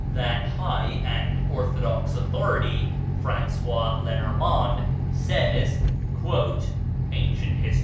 That high and orthodox authority, François Lenormant, says ("Ancient Hist.